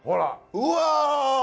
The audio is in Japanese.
うわ！